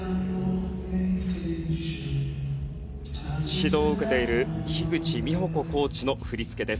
指導を受けている樋口美穂子コーチの振り付けです。